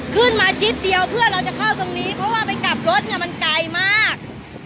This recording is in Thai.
ขึ้นมาจิ๊บเดียวเพื่อเราจะเข้าตรงนี้เพราะว่าไปกลับรถเนี่ยมันไกลมาก